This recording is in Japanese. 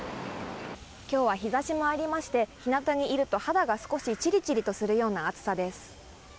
きょうは日ざしもありまして、日なたにいると肌に少しちりちりとするような暑さです。